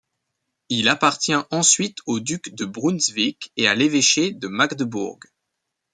Il appartient ensuite aux ducs de Brunswick et à l'évêché de Magdebourg.